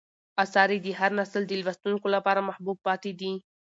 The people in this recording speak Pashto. آثار یې د هر نسل د لوستونکو لپاره محبوب پاتې دي.